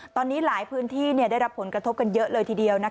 ตอนนี้หลายพื้นที่ได้รับผลกระทบกันเยอะเลยทีเดียว